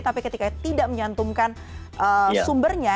tapi ketika tidak menyantumkan sumbernya